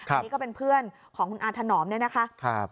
อันนี้ก็เป็นเพื่อนของคุณอาถนอมเนี่ยนะคะ